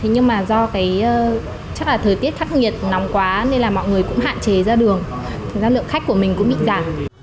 nhưng mà do thời tiết thắt nhiệt nóng quá nên mọi người cũng hạn chế ra đường lượng khách của mình cũng bị giảm